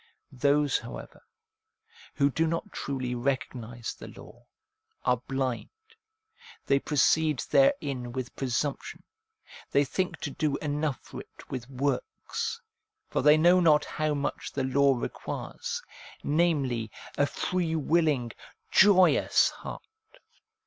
Those, however, who do not truly recognise the law, are blind, they proceed therein with presumption, they think to do enough for it with works ; for they know not how much the law requires, namely, a free willing, joyous heart.